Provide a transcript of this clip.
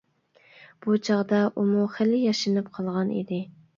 بۇ چاغدا ئۇمۇ خېلى ياشىنىپ قالغان ئىدى.